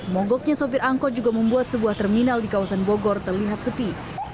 mogoknya sopir angkot juga membuat sebuah terminal di kawasan bogor terlihat sepi